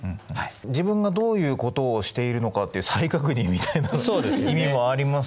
自分がどういうことをしているのかっていう再確認みたいな意味もあります